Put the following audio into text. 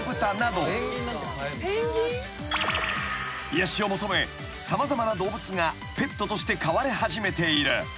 ［癒やしを求め様々な動物がペットとして飼われ始めている］